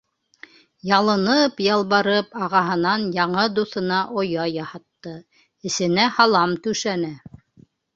Ялынып-ялбарып ағаһынан яңы дуҫына оя яһатты, эсенә һалам түшәне...